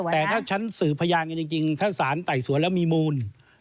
แต่ถ้าฉันสื่อพยานกันจริงถ้าสารไต่สวนแล้วมีมูล